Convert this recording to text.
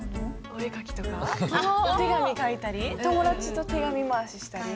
お絵描きとかお手紙書いたり友達と手紙回ししたり。